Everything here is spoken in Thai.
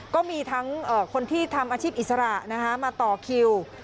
ก็มีทั้งคนที่ทำอาชีพอิสระมาต่อคิว